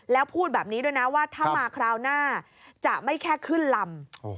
แล้วพูดแบบนี้ด้วยนะว่าถ้ามาคราวหน้าจะไม่แค่ขึ้นลำ